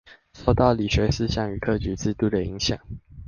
受到理學思想與科舉制度的影響